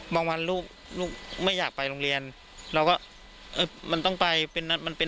วันลูกลูกไม่อยากไปโรงเรียนเราก็เออมันต้องไปเป็นมันเป็น